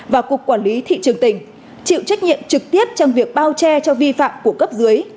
và cục quản lý thị trường tỉnh chịu trách nhiệm trực tiếp trong việc bao che cho vi phạm của cấp dưới